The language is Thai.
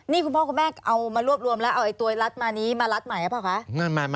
นี่คุณพ่อคุณแม่เอามารวบรวมแล้วเอาตัวรัดมานี้มารัดใหม่หรือเปล่าคะ